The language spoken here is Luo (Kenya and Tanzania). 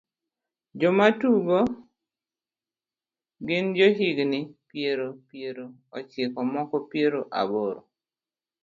Joma tugo gin jo higni piero piero ochiko moko piero aboro.